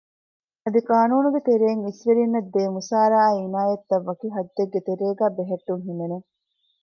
އަދި ޤާނޫނުގެ ތެރެއިން އިސްވެރިންނަށްދޭ މުސާރަ އާއި ޢިނާޔަތްތައް ވަކި ޙައްދެއްގެ ތެރޭގައި ބެހެއްޓުން ހިމެނެ